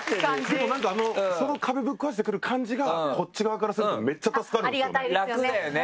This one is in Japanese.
でもなんかあのその壁ぶっ壊してくる感じがこっち側からするとめっちゃ助かるんですよね